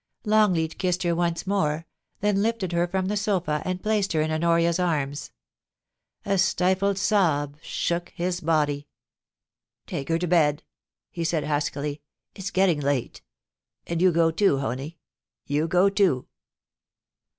Longleat kissed her once more, then lifted her from the sofa and placed her in Honoria's arms. A stifled sob shook his body. * Take her to bed,* he said huskily. * It's getting late. ... And you go too, Honie ; you go too.'